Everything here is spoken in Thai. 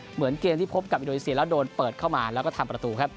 เหมือนเกมที่พบกับอินโดนีเซียแล้วโดนเปิดเข้ามาแล้วก็ทำประตูครับ